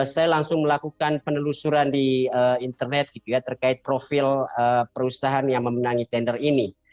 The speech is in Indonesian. saya langsung melakukan penelusuran di internet gitu ya terkait profil perusahaan yang memenangi tender ini